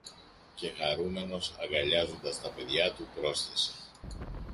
Και χαρούμενος, αγκαλιάζοντας τα παιδιά του πρόσθεσε